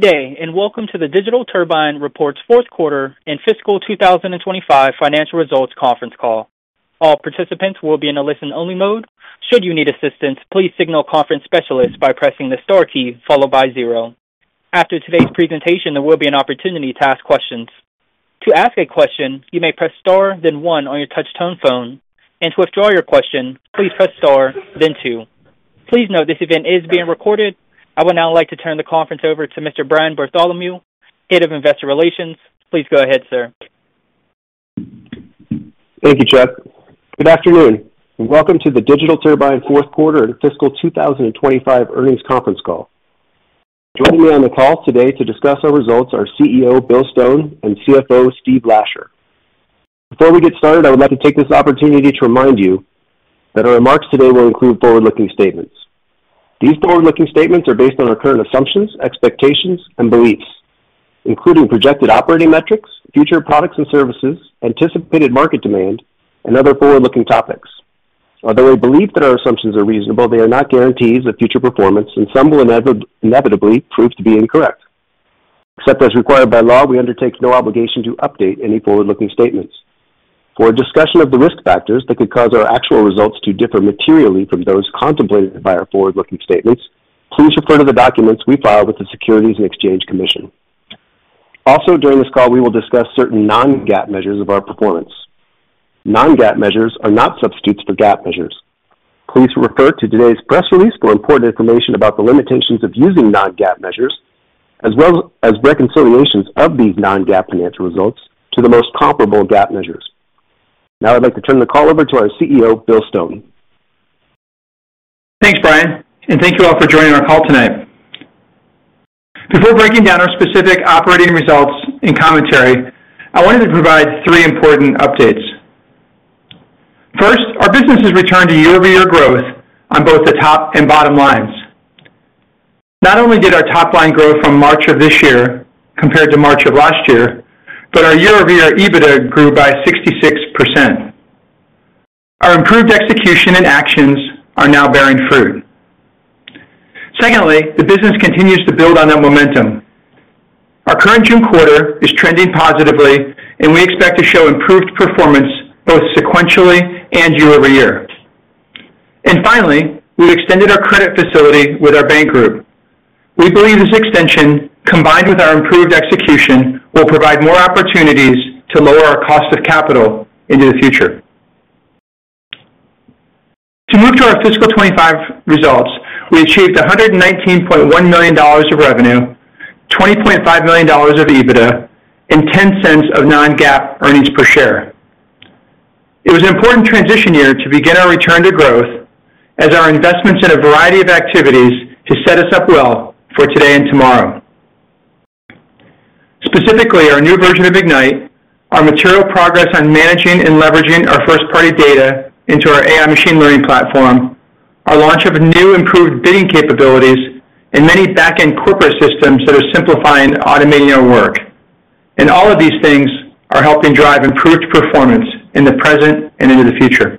day, and welcome to the Digital Turbine fourth quarter and fiscal 2025 financial results conference call. All participants will be in a listen-only mode. Should you need assistance, please signal conference specialists by pressing the star key followed by zero. After today's presentation, there will be an opportunity to ask questions. To ask a question, you may press star, then one on your touch-tone phone. To withdraw your question, please press star, then two. Please note this event is being recorded. I would now like to turn the conference over to Mr. Brian Bartholomew, Head of Investor Relations. Please go ahead, sir. Thank you, Chuck. Good afternoon, and welcome to the Digital Turbine fourth quarter and fiscal 2025 earnings conference call. Joining me on the call today to discuss our results are CEO Bill Stone and CFO Steve Lasher. Before we get started, I would like to take this opportunity to remind you that our remarks today will include forward-looking statements. These forward-looking statements are based on our current assumptions, expectations, and beliefs, including projected operating metrics, future products and services, anticipated market demand, and other forward-looking topics. Although we believe that our assumptions are reasonable, they are not guarantees of future performance, and some will inevitably prove to be incorrect. Except as required by law, we undertake no obligation to update any forward-looking statements. For a discussion of the risk factors that could cause our actual results to differ materially from those contemplated by our forward-looking statements, please refer to the documents we filed with the Securities and Exchange Commission. Also, during this call, we will discuss certain non-GAAP measures of our performance. Non-GAAP measures are not substitutes for GAAP measures. Please refer to today's press release for important information about the limitations of using non-GAAP measures, as well as reconciliations of these non-GAAP financial results to the most comparable GAAP measures. Now, I'd like to turn the call over to our CEO, Bill Stone. Thanks, Brian, and thank you all for joining our call tonight. Before breaking down our specific operating results and commentary, I wanted to provide three important updates. First, our business has returned to year-over-year growth on both the top and bottom lines. Not only did our top line grow from March of this year compared to March of last year, but our year-over-year EBITDA grew by 66%. Our improved execution and actions are now bearing fruit. Secondly, the business continues to build on that momentum. Our current June quarter is trending positively, and we expect to show improved performance both sequentially and year-over-year. Finally, we've extended our credit facility with our bank group. We believe this extension, combined with our improved execution, will provide more opportunities to lower our cost of capital into the future. To move to our fiscal 2025 results, we achieved $119.1 million of revenue, $20.5 million of EBITDA, and $0.10 of non-GAAP earnings per share. It was an important transition year to begin our return to growth, as our investments in a variety of activities have set us up well for today and tomorrow. Specifically, our new version of Ignite, our material progress on managing and leveraging our first-party data into our AI machine learning platform, our launch of new improved bidding capabilities, and many back-end corporate systems that are simplifying and automating our work. All of these things are helping drive improved performance in the present and into the future.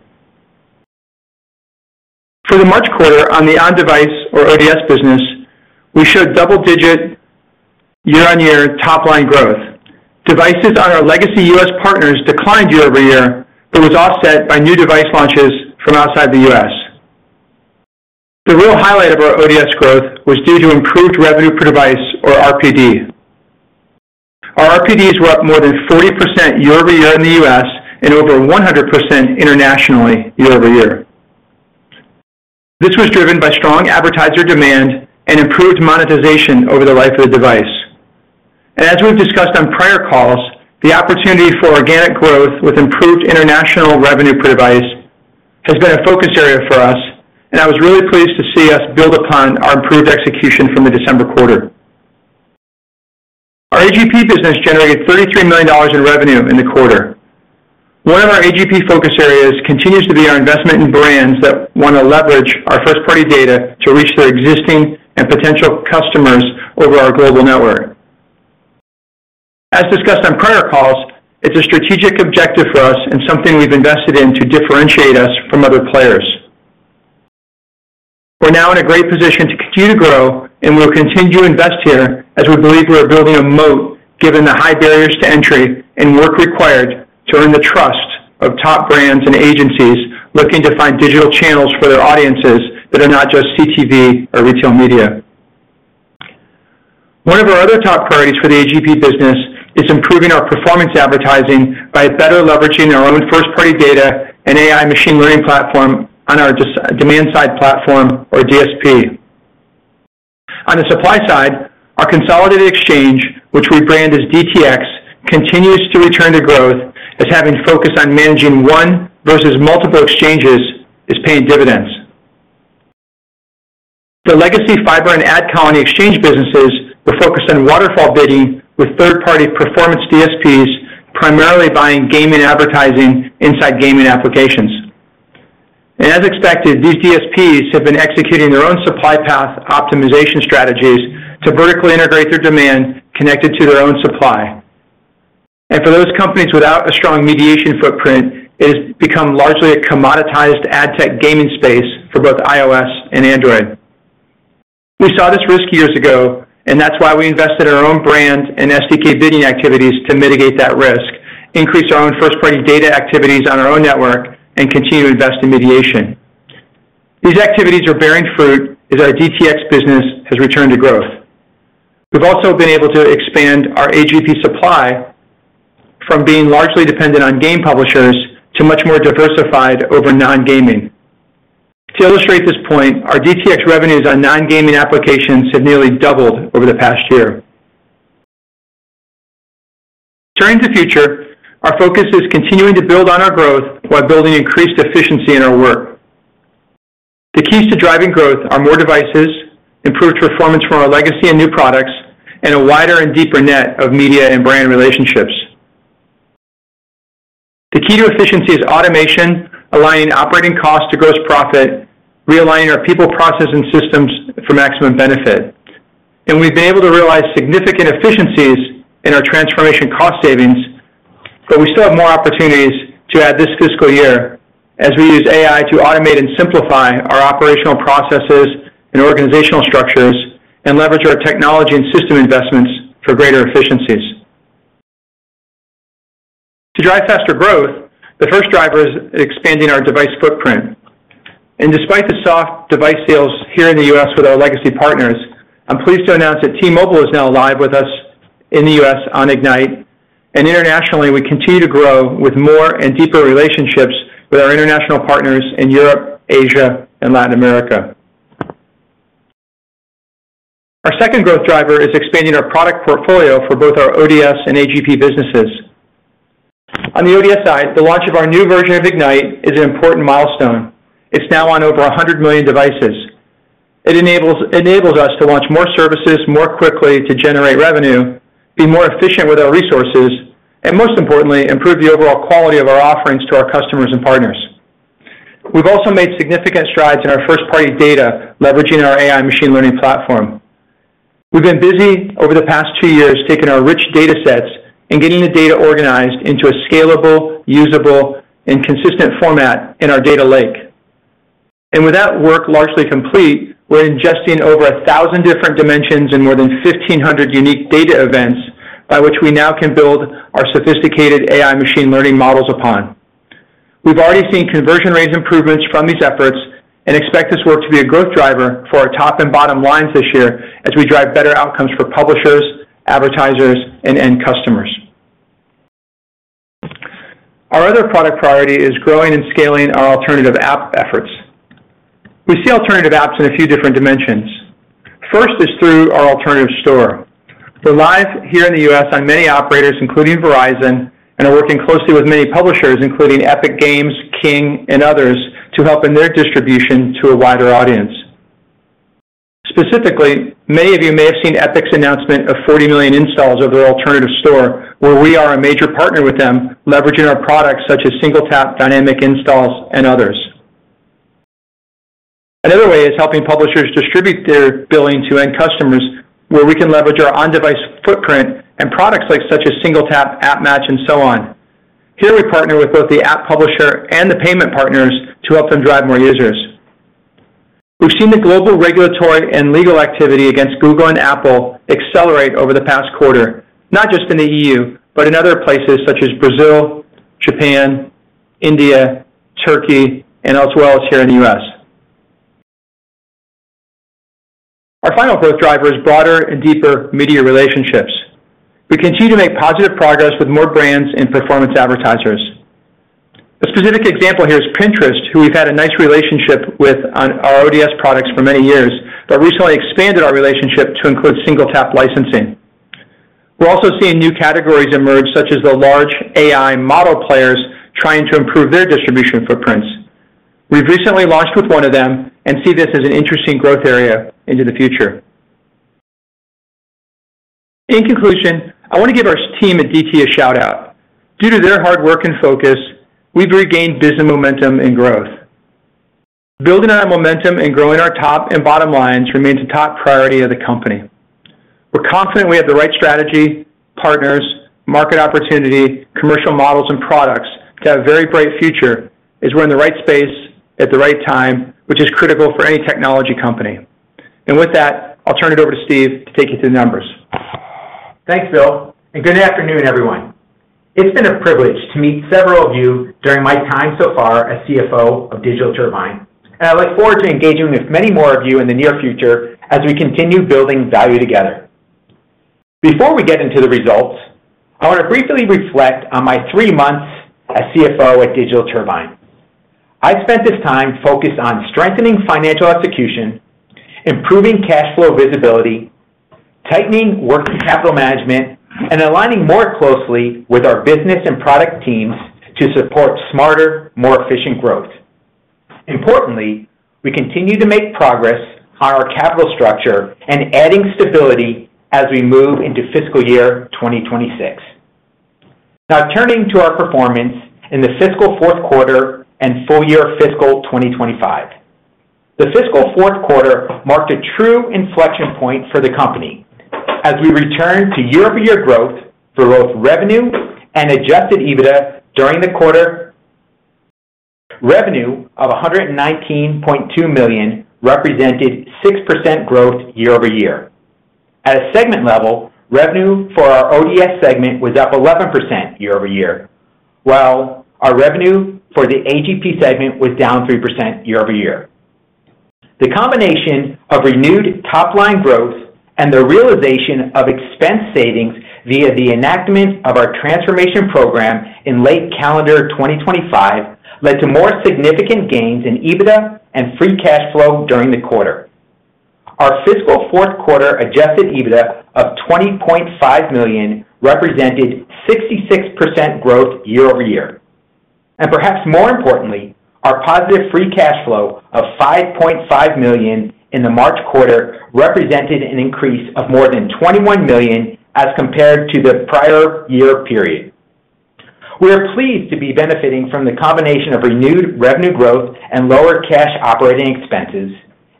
For the March quarter, on the on-device or ODS business, we showed double-digit year-on-year top-line growth. Devices on our legacy U.S. partners declined year-over-year, but was offset by new device launches from outside the U.S. The real highlight of our ODS growth was due to improved revenue per device, or RPD. Our RPDs were up more than 40% year-over-year in the U.S. and over 100% internationally year-over-year. This was driven by strong advertiser demand and improved monetization over the life of the device. As we've discussed on prior calls, the opportunity for organic growth with improved international revenue per device has been a focus area for us, and I was really pleased to see us build upon our improved execution from the December quarter. Our AGP business generated $33 million in revenue in the quarter. One of our AGP focus areas continues to be our investment in brands that want to leverage our first-party data to reach their existing and potential customers over our global network. As discussed on prior calls, it's a strategic objective for us and something we've invested in to differentiate us from other players. We're now in a great position to continue to grow, and we'll continue to invest here as we believe we're building a moat given the high barriers to entry and work required to earn the trust of top brands and agencies looking to find digital channels for their audiences that are not just CTV or retail media. One of our other top priorities for the AGP business is improving our performance advertising by better leveraging our own first-party data and AI machine learning platform on our demand-side platform, or DSP. On the supply side, our consolidated exchange, which we brand as DTX, continues to return to growth as having focus on managing one versus multiple exchanges is paying dividends. The legacy fiber and AdColony exchange businesses were focused on waterfall bidding with third-party performance DSPs, primarily buying gaming advertising inside gaming applications. As expected, these DSPs have been executing their own supply path optimization strategies to vertically integrate their demand connected to their own supply. For those companies without a strong mediation footprint, it has become largely a commoditized ad tech gaming space for both iOS and Android. We saw this risk years ago, and that's why we invested in our own brand and SDK bidding activities to mitigate that risk, increase our own first-party data activities on our own network, and continue to invest in mediation. These activities are bearing fruit as our DTX business has returned to growth. We've also been able to expand our AGP supply from being largely dependent on game publishers to much more diversified over non-gaming. To illustrate this point, our DTX revenues on non-gaming applications have nearly doubled over the past year. Turning to the future, our focus is continuing to build on our growth while building increased efficiency in our work. The keys to driving growth are more devices, improved performance from our legacy and new products, and a wider and deeper net of media and brand relationships. The key to efficiency is automation, aligning operating costs to gross profit, realigning our people, process, and systems for maximum benefit. We have been able to realize significant efficiencies in our transformation cost savings, but we still have more opportunities to add this fiscal year as we use AI to automate and simplify our operational processes and organizational structures and leverage our technology and system investments for greater efficiencies. To drive faster growth, the first driver is expanding our device footprint. Despite the soft device sales here in the U.S. with our legacy partners, I'm pleased to announce that T-Mobile is now live with us in the U.S. on Ignite, and internationally, we continue to grow with more and deeper relationships with our international partners in Europe, Asia, and Latin America. Our second growth driver is expanding our product portfolio for both our ODS and AGP businesses. On the ODS side, the launch of our new version of Ignite is an important milestone. It's now on over 100 million devices. It enables us to launch more services more quickly to generate revenue, be more efficient with our resources, and most importantly, improve the overall quality of our offerings to our customers and partners. We've also made significant strides in our first-party data leveraging our AI machine learning platform. We've been busy over the past two years taking our rich data sets and getting the data organized into a scalable, usable, and consistent format in our data lake. With that work largely complete, we're ingesting over 1,000 different dimensions and more than 1,500 unique data events by which we now can build our sophisticated AI machine learning models upon. We've already seen conversion rate improvements from these efforts and expect this work to be a growth driver for our top and bottom lines this year as we drive better outcomes for publishers, advertisers, and end customers. Our other product priority is growing and scaling our alternative app efforts. We see alternative apps in a few different dimensions. First is through our alternative store. We're live here in the U.S. on many operators, including Verizon, and are working closely with many publishers, including Epic Games, King, and others, to help in their distribution to a wider audience. Specifically, many of you may have seen Epic's announcement of 40 million installs of their alternative store, where we are a major partner with them, leveraging our products such as SingleTap, Dynamic Installs, and others. Another way is helping publishers distribute their billing to end customers, where we can leverage our on-device footprint and products like such as SingleTap, App Match, and so on. Here, we partner with both the app publisher and the payment partners to help them drive more users. We've seen the global regulatory and legal activity against Google and Apple accelerate over the past quarter, not just in the European Union, but in other places such as Brazil, Japan, India, Turkey, and as well as here in the U.S. Our final growth driver is broader and deeper media relationships. We continue to make positive progress with more brands and performance advertisers. A specific example here is Pinterest, who we've had a nice relationship with on our ODS products for many years, but recently expanded our relationship to include Single-Tap licensing. We're also seeing new categories emerge, such as the large AI model players trying to improve their distribution footprints. We've recently launched with one of them and see this as an interesting growth area into the future. In conclusion, I want to give our team at DT a shout-out. Due to their hard work and focus, we've regained business momentum and growth. Building on our momentum and growing our top and bottom lines remains a top priority of the company. We're confident we have the right strategy, partners, market opportunity, commercial models, and products to have a very bright future as we're in the right space at the right time, which is critical for any technology company. With that, I'll turn it over to Steve to take you through the numbers. Thanks, Bill, and good afternoon, everyone. It's been a privilege to meet several of you during my time so far as CFO of Digital Turbine, and I look forward to engaging with many more of you in the near future as we continue building value together. Before we get into the results, I want to briefly reflect on my three months as CFO at Digital Turbine. I spent this time focused on strengthening financial execution, improving cash flow visibility, tightening working capital management, and aligning more closely with our business and product teams to support smarter, more efficient growth. Importantly, we continue to make progress on our capital structure and adding stability as we move into fiscal year 2026. Now, turning to our performance in the fiscal fourth quarter and full year fiscal 2025. The fiscal fourth quarter marked a true inflection point for the company as we returned to year-over-year growth for both revenue and adjusted EBITDA during the quarter. Revenue of $119.2 million represented 6% growth year-over-year. At a segment level, revenue for our ODS segment was up 11% year-over-year, while our revenue for the AGP segment was down 3% year-over-year. The combination of renewed top-line growth and the realization of expense savings via the enactment of our transformation program in late calendar 2023 led to more significant gains in EBITDA and free cash flow during the quarter. Our fiscal fourth quarter adjusted EBITDA of $20.5 million represented 66% growth year-over-year. Perhaps more importantly, our positive free cash flow of $5.5 million in the March quarter represented an increase of more than $21 million as compared to the prior year period. We are pleased to be benefiting from the combination of renewed revenue growth and lower cash operating expenses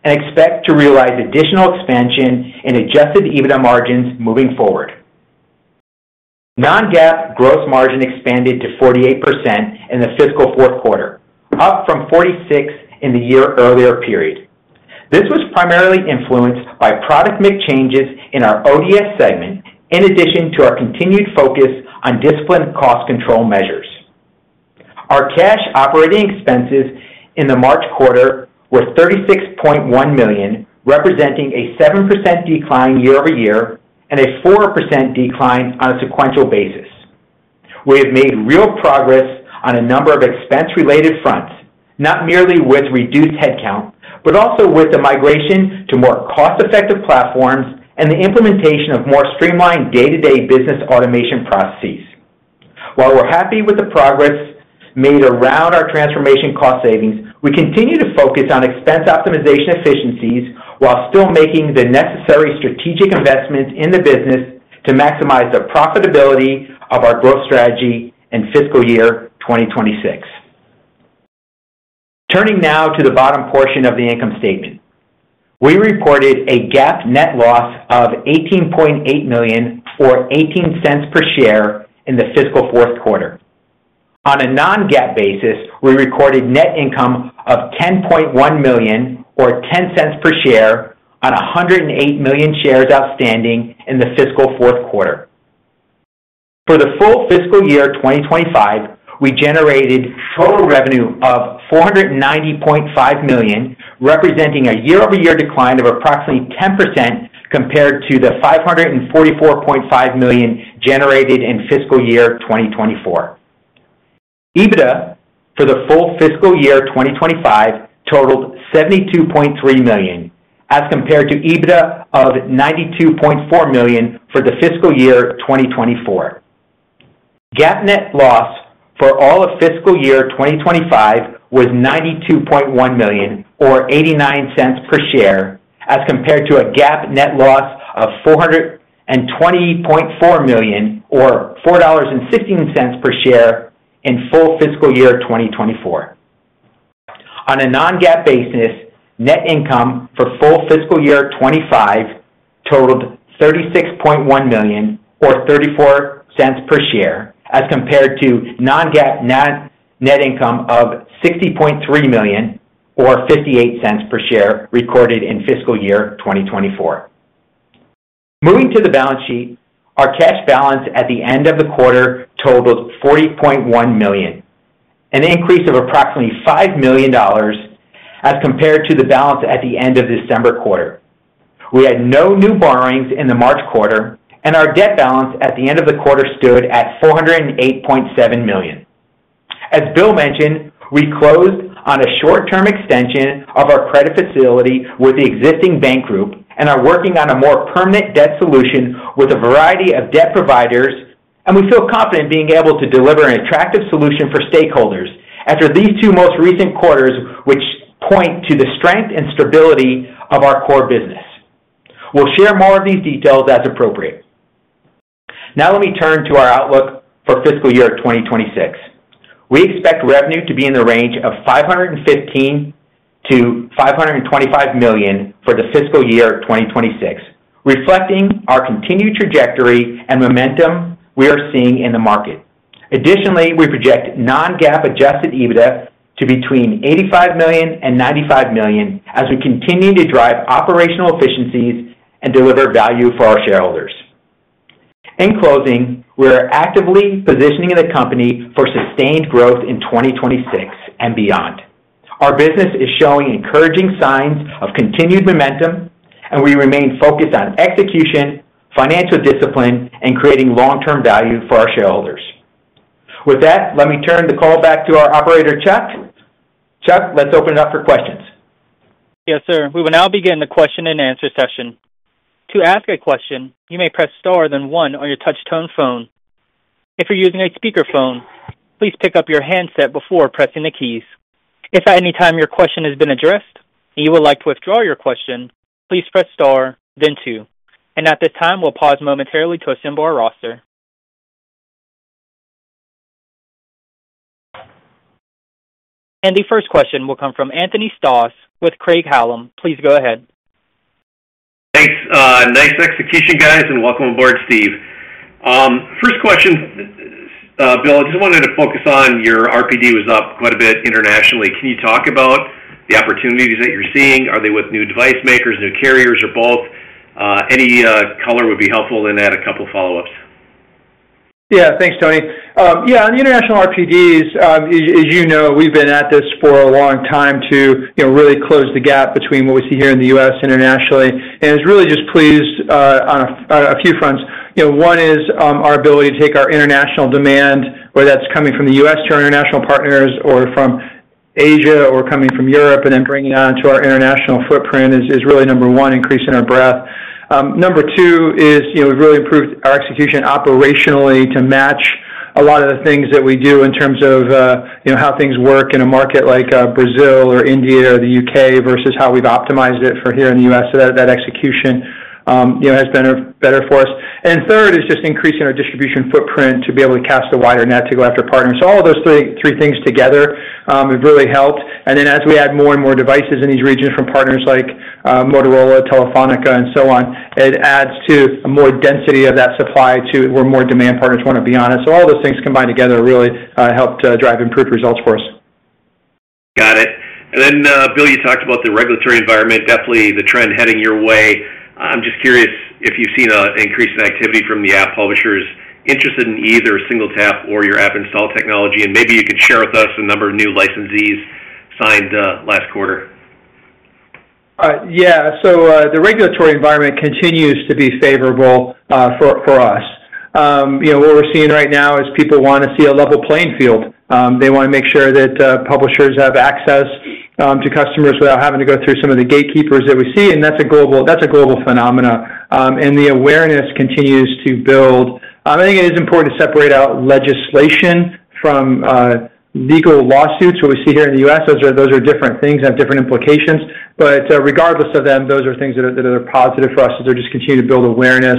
and expect to realize additional expansion in adjusted EBITDA margins moving forward. Non-GAAP gross margin expanded to 48% in the fiscal fourth quarter, up from 46% in the year earlier period. This was primarily influenced by product mix changes in our ODS segment, in addition to our continued focus on discipline cost control measures. Our cash operating expenses in the March quarter were $36.1 million, representing a 7% decline year-over-year and a 4% decline on a sequential basis. We have made real progress on a number of expense-related fronts, not merely with reduced headcount, but also with the migration to more cost-effective platforms and the implementation of more streamlined day-to-day business automation processes. While we're happy with the progress made around our transformation cost savings, we continue to focus on expense optimization efficiencies while still making the necessary strategic investments in the business to maximize the profitability of our growth strategy in fiscal year 2026. Turning now to the bottom portion of the income statement, we reported a GAAP net loss of $18.8 million, or $0.18 per share, in the fiscal fourth quarter. On a non-GAAP basis, we recorded net income of $10.1 million, or $0.10 per share, on 108 million shares outstanding in the fiscal fourth quarter. For the full fiscal year 2025, we generated total revenue of $490.5 million, representing a year-over-year decline of approximately 10% compared to the $544.5 million generated in fiscal year 2024. EBITDA for the full fiscal year 2025 totaled $72.3 million, as compared to EBITDA of $92.4 million for the fiscal year 2024. GAAP net loss for all of fiscal year 2025 was $92.1 million, or $0.89 per share, as compared to a GAAP net loss of $420.4 million, or $4.16 per share in full fiscal year 2024. On a non-GAAP basis, net income for full fiscal year 2025 totaled $36.1 million, or $0.34 per share, as compared to non-GAAP net income of $60.3 million, or $0.58 per share recorded in fiscal year 2024. Moving to the balance sheet, our cash balance at the end of the quarter totaled $40.1 million, an increase of approximately $5 million as compared to the balance at the end of December quarter. We had no new borrowings in the March quarter, and our debt balance at the end of the quarter stood at $408.7 million. As Bill mentioned, we closed on a short-term extension of our credit facility with the existing bank group and are working on a more permanent debt solution with a variety of debt providers, and we feel confident being able to deliver an attractive solution for stakeholders after these two most recent quarters, which point to the strength and stability of our core business. We'll share more of these details as appropriate. Now, let me turn to our outlook for fiscal year 2026. We expect revenue to be in the range of $515 million-$525 million for the fiscal year 2026, reflecting our continued trajectory and momentum we are seeing in the market. Additionally, we project non-GAAP adjusted EBITDA to be between $85 million and $95 million as we continue to drive operational efficiencies and deliver value for our shareholders. In closing, we are actively positioning the company for sustained growth in 2026 and beyond. Our business is showing encouraging signs of continued momentum, and we remain focused on execution, financial discipline, and creating long-term value for our shareholders. With that, let me turn the call back to our operator, Chuck. Chuck, let's open it up for questions. Yes, sir. We will now begin the question and answer session. To ask a question, you may press star then one on your touch-tone phone. If you're using a speakerphone, please pick up your handset before pressing the keys. If at any time your question has been addressed and you would like to withdraw your question, please press star then two. At this time, we'll pause momentarily to assemble our roster. The first question will come from Anthony Stoss with Craig-Hallum. Please go ahead. Thanks. Nice execution, guys, and welcome aboard, Steve. First question, Bill, I just wanted to focus on your RPD was up quite a bit internationally. Can you talk about the opportunities that you're seeing? Are they with new device makers, new carriers, or both? Any color would be helpful, then add a couple of follow-ups. Yeah, thanks, Tony. Yeah, on the international RPDs, as you know, we've been at this for a long time to really close the gap between what we see here in the U.S. internationally. It's really just pleased on a few fronts. One is our ability to take our international demand, whether that's coming from the U.S. to our international partners or from Asia or coming from Europe, and then bringing it onto our international footprint is really number one, increasing our breadth. Number two is we've really improved our execution operationally to match a lot of the things that we do in terms of how things work in a market like Brazil or India or the U.K. versus how we've optimized it for here in the U.S. That execution has been better for us. Third is just increasing our distribution footprint to be able to cast a wider net to go after partners. All of those three things together have really helped. Then as we add more and more devices in these regions from partners like Motorola, Telefónica, and so on, it adds to a more density of that supply to where more demand partners want to be on it. All those things combined together really helped drive improved results for us. Got it. Bill, you talked about the regulatory environment, definitely the trend heading your way. I'm just curious if you've seen an increase in activity from the app publishers interested in either Single-Tap or your app install technology, and maybe you could share with us the number of new licensees signed last quarter. Yeah. The regulatory environment continues to be favorable for us. What we're seeing right now is people want to see a level playing field. They want to make sure that publishers have access to customers without having to go through some of the gatekeepers that we see, and that's a global phenomenon. The awareness continues to build. I think it is important to separate out legislation from legal lawsuits, what we see here in the U.S. Those are different things that have different implications. Regardless of them, those are things that are positive for us as they're just continuing to build awareness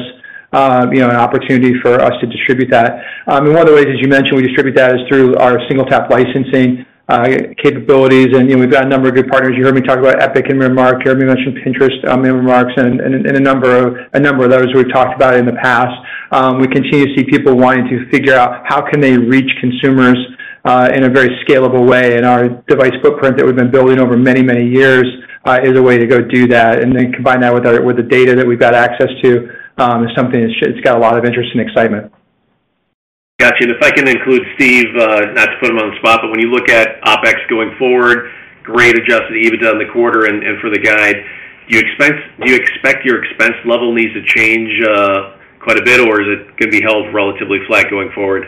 and opportunity for us to distribute that. One of the ways, as you mentioned, we distribute that is through our SingleTap licensing capabilities. We've got a number of good partners. You heard me talk about Epic and Miramark. You heard me mention Pinterest and Miramarks and a number of others we've talked about in the past. We continue to see people wanting to figure out how can they reach consumers in a very scalable way. Our device footprint that we've been building over many, many years is a way to go do that. Then combine that with the data that we've got access to is something that's got a lot of interest and excitement. Gotcha. If I can include Steve, not to put him on the spot, but when you look at OpEx going forward, great adjusted EBITDA in the quarter and for the guide, do you expect your expense level needs to change quite a bit, or is it going to be held relatively flat going forward?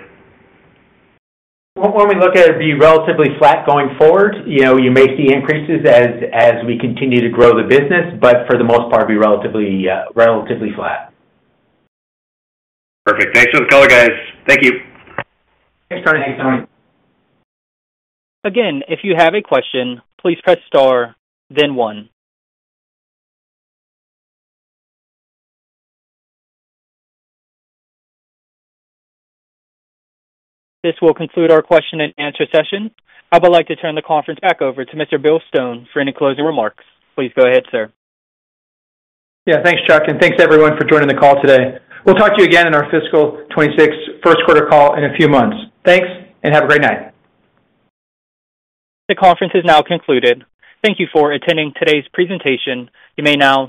When we look at it being relatively flat going forward, you may see increases as we continue to grow the business, but for the most part, be relatively flat. Perfect. Thanks for the call, guys. Thank you. Thanks, Tony. Thanks, Tony. Again, if you have a question, please press star, then one. This will conclude our question and answer session. I would like to turn the conference back over to Mr. Bill Stone for any closing remarks. Please go ahead, sir. Yeah, thanks, Chuck. Thanks, everyone, for joining the call today. We'll talk to you again in our fiscal 2026 first quarter call in a few months. Thanks, and have a great night. The conference is now concluded. Thank you for attending today's presentation. You may now.